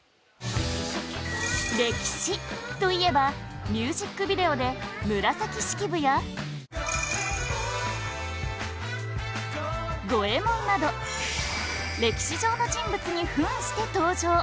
レキシといえばミュージックビデオで紫式部や五右衛門など歴史上の人物に扮して登場